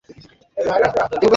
সে খুশি হয়ে কিনবে।